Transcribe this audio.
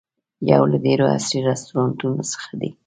یو له ډېرو عصري رسټورانټونو څخه دی.